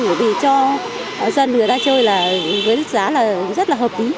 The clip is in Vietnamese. bởi vì cho dân người ta chơi là với giá là rất là hợp lý